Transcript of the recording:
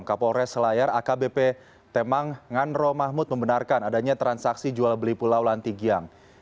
kapolres selayar akbp temang nganro mahmud membenarkan adanya transaksi jual beli pulau lantigiang